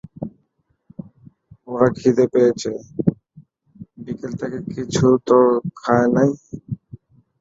-ওরা খিদে পেয়েচে, বিকেল থেকে কিছু তো খায় নি!